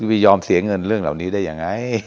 ปะโถเบบียอมเสียเงินเรื่องเหลังนี้ได้ยังไง